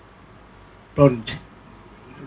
ก็ต้องทำอย่างที่บอกว่าช่องคุณวิชากำลังทำอยู่นั่นนะครับ